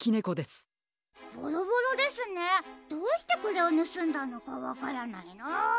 ボロボロですねどうしてこれをぬすんだのかわからないな。